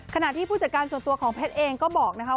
ขณะที่ผู้จัดการส่วนตัวของเพชรเองก็บอกนะคะ